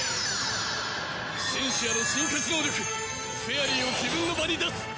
シンシアの進化時能力フェアリーを自分の場に出す。